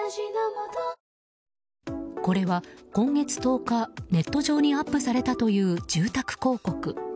これは、今月１０日ネット上にアップされたという住宅広告。